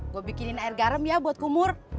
gue bikinin air garam ya buat kumur